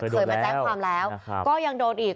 เคยมาแจ้งความแล้วก็ยังโดนอีก